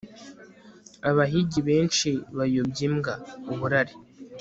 abahigi benshi bayobya imbwa (uburari)